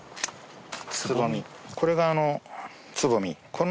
これがつぼみ。